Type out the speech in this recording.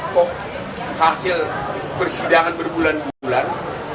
kok hasil persidangan berbulan bulan